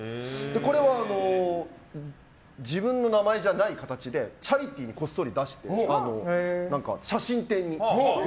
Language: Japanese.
これは自分の名前じゃない形でチャリティーにこっそり出して写真展に。